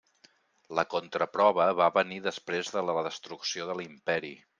La contraprova va venir després de la destrucció de l'Imperi.